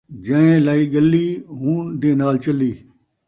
جئیں لئی ڳلی، ہوں دے نال چلی